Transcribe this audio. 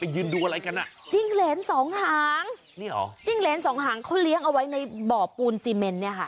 ยืนดูอะไรกันอ่ะจิ้งเหรนสองหางนี่เหรอจิ้งเหรนสองหางเขาเลี้ยงเอาไว้ในบ่อปูนซีเมนเนี่ยค่ะ